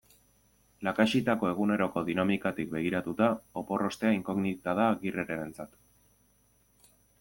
Lakaxitako eguneroko dinamikatik begiratuta, opor ostea inkognita da Agirrerentzat.